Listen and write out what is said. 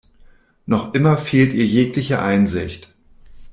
Noch immer fehlt ihr jegliche Einsicht.